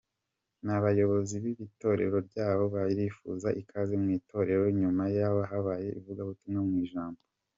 nabayobozi bitorero ryaho bayifuriza ikaze mu itorero, nyuma habayeho ivugabutumwa mu ijambo.